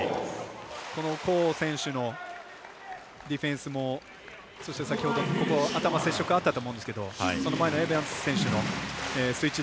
このコー選手のディフェンスもそして、先ほど頭接触あったと思うんですがその前のエバンス選手のスイッチ